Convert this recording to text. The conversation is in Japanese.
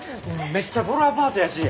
めっちゃぼろアパートやし。